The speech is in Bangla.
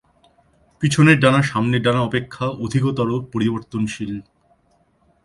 পিছনের ডানা সামনের ডানা অপেক্ষা অধিকতর পরিবর্তনশীল।